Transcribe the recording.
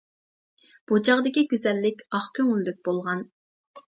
بۇ چاغدىكى گۈزەللىك ئاق كۆڭۈللۈك بولغان.